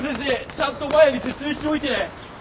ちゃんとマヤに説明しておいてね！